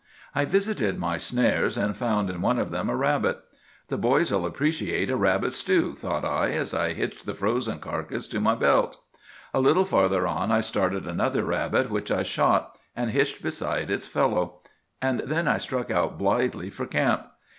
"I visited my snares, and found in one of them a rabbit. 'The boys'll appreciate a rabbit stew,' thought I, as I hitched the frozen carcass to my belt. A little farther on I started another rabbit, which I shot, and hitched beside its fellow; and then I struck out blithely for camp.